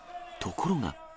ところが。